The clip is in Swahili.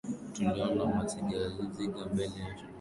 Tuliona mazigaziga mbele tulipokuwa tukienda